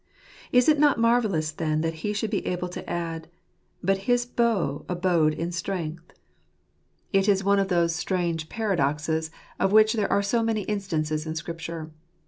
Is it not marvellous then that he should be able to add, 14 but his bow abode in strength"? It is one of those Human Weakttm. 165 strange paradoxes, of which there are so many instances in Scripture.